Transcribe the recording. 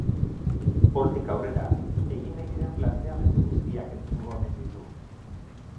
Hortik aurrera, egin nahi diren planteamendu guztiak entzungo omen ditu.